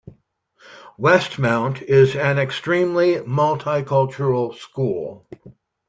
Westmount is an extremely multicultural school.